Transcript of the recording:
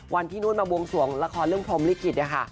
วันที่นุ่นมาวงสวงละครเรื่องพรมลิกฤตค่ะ